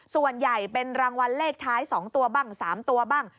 ส่วนใหญ่เป็นรางวัลเลขท้าย๒ตัวบ้าง๓ตัวบ้าง